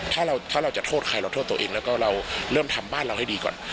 ถ้าเราจะโทษใครเราโทษตัวเองแล้วก็เราเริ่มทำบ้านเราให้ดีก่อน